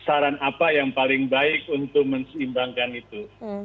saran apa yang paling baik untuk menseimbangkan itu